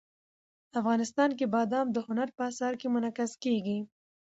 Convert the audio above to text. افغانستان کې بادام د هنر په اثار کې منعکس کېږي.